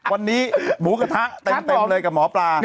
วันนี้หมูกระทะเต็มเลยกับหมอปลา